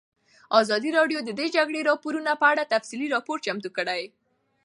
ازادي راډیو د د جګړې راپورونه په اړه تفصیلي راپور چمتو کړی.